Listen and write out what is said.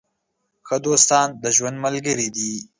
ښه دوستان د ژوند ملګري دي.